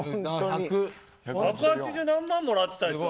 百八十何万もらってたでしょ。